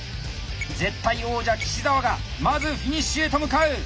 絶対王者岸澤がまずフィニッシュへと向かう！